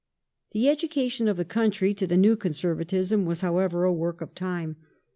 The education of the country to the new Conservatism was, however, a work of time.